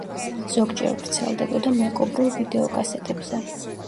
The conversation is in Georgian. ზოგჯერ ვრცელდებოდა „მეკობრულ“ ვიდეოკასეტებზე.